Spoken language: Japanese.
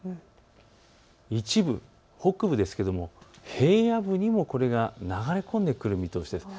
一部、北部ですが平野部にも流れ込んでくる見通しです。